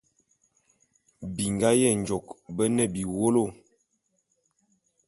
Bingá Yenjôk bé ne biwólo.